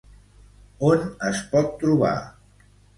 On es pot trobar?